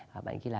bạn ấy kia là